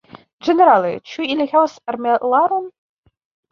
Ĝenerale, ĉu ili havas armilaron?